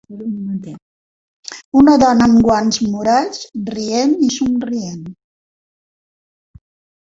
Una dona amb guants morats rient i somrient.